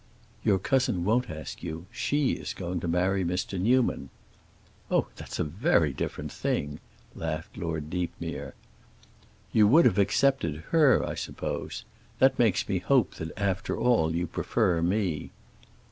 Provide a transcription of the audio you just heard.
"Your cousin won't ask you. She is going to marry Mr. Newman." "Oh, that's a very different thing!" laughed Lord Deepmere. "You would have accepted her, I suppose. That makes me hope that after all you prefer me."